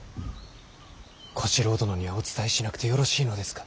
小四郎殿にはお伝えしなくてよろしいのですか。